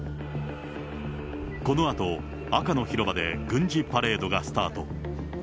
このあと、赤の広場で軍事パレードがスタート。